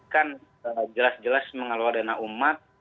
kan jelas jelas mengelola dana umat